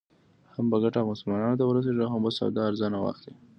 هم به ګټه مسلمانانو ته ورسېږي او هم به سودا ارزانه واخلې.